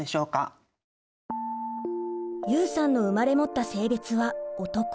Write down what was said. ユウさんの生まれ持った性別は男。